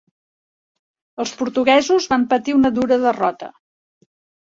Els portuguesos van patir una dura derrota.